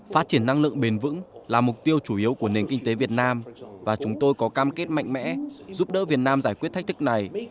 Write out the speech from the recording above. phát triển năng lượng bền vững là mục tiêu chủ yếu của nền kinh tế việt nam và chúng tôi có cam kết mạnh mẽ giúp đỡ việt nam giải quyết thách thức này